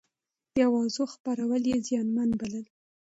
د اوازو خپرول يې زيانمن بلل.